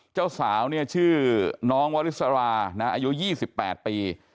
เจ้าสาวเนี่ยชื่อน้องวริสราอายุ๒๘ปี